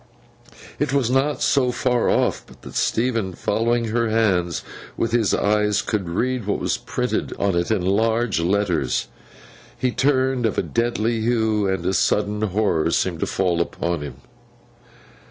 It was not so far off, but that Stephen, following her hands with his eyes, could read what was printed on it in large letters. He turned of a deadly hue, and a sudden horror seemed to fall upon him.